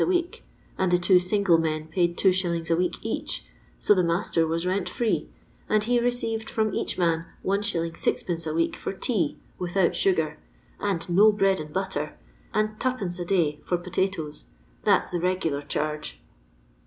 a week, and the two single men paid 2s. a week each, •0 the master was rent free ; and he received from each man Is. 6<t a week fur tea (without sugar), and no bread and butter, and 2d, a day for pota toes— that 's the regukr charge."